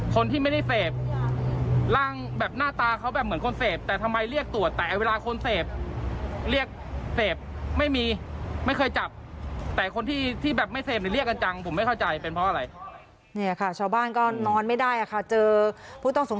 คนที่ไม่ได้เสพร่างหน้าตาเขาเหมือน